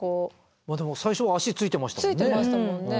でも最初足着いてましたもんね。